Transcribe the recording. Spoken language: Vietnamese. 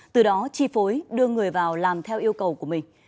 từ đó chi phối đưa người vào làm theo yêu cầu của mình